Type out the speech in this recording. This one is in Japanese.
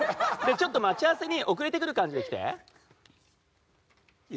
待ち合わせに遅れてくる感じで来て？